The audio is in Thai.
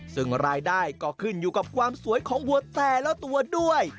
ซึ่งรายได้ก็ขึ้นอยู่กับความสวยของวัวแต่ละตัวด้วย